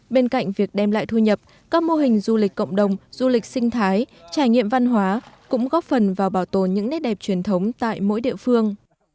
bên cạnh việc đem lại thu nhập các mô hình du lịch cộng đồng du lịch sinh thái trải nghiệm văn hóa cũng góp phần vào bảo tồn những nét đẹp truyền thống tại mỗi địa phương